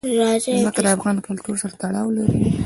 ځمکه د افغان کلتور سره تړاو لري.